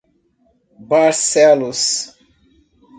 Barcelos